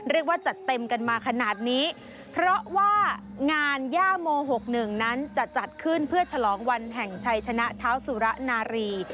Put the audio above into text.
เรียกว่าจัดเต็มกันมาขนาดนี้เพราะว่างานย่าโม๖๑นั้นจะจัดขึ้นเพื่อฉลองวันแห่งชัยชนะเท้าสุระนารี